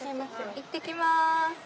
いってきます。